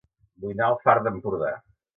Vull anar a El Far d'Empordà